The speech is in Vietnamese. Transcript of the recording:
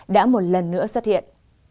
đã một lần nữa xuất hiện